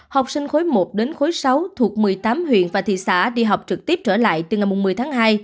học sinh khối một đến khối sáu thuộc một mươi tám huyện và thị xã đi học trực tiếp trở lại từ ngày một mươi tháng hai